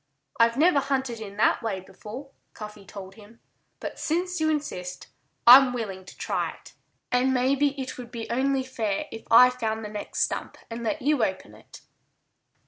"I've never hunted in that way before," Cuffy told him. "But since you insist, I'm willing to try it. And maybe it would be only fair if I found the next stump and let you open it."